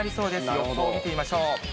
予報、見てみましょう。